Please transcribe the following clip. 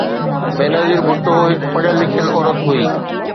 بينظير ڀٽو هڪ پڙهيل لکيل عورت هئي.